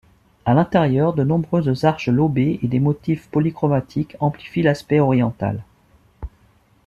À l'intérieur, de nombreuses arches lobées et des motifs polychromatiques amplifient l'aspect oriental.